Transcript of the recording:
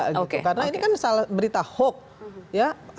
karena ini kan berita hoax